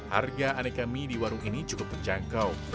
harga aneka mie di warung ini cukup terjangkau